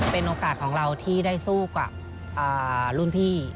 เป็นโอกาสของเราที่ได้สู้กับรุ่นพี่